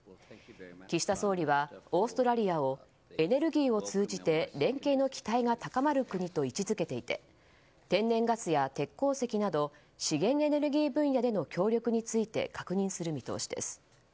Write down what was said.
岸田総理は、オーストラリアをエネルギーを通じて連携の期待が高まる国と位置づけていて天然ガスや鉄鉱石など資源エネルギー分野での協力について確認する見通しです。